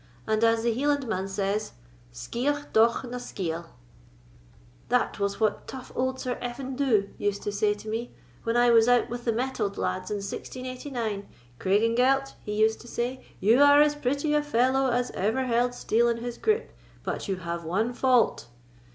And, as the Hielandman says, Skioch doch na skiaill." "That was what tough old Sir Even Dhu used to say to me when I was out with the metall'd lads in 1689. 'Craigengelt,' he used to say, 'you are as pretty a fellow as ever held steel in his grip, but you have one fault.